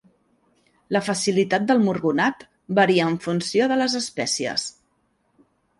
La facilitat del murgonat varia en funció de les espècies.